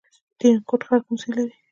ترینکوټ ښار کوم سیند لري؟